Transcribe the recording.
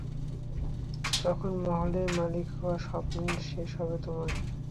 তখন, মহলের মালিক হওয়ার, স্বপ্নের শেষ হবে তোমার।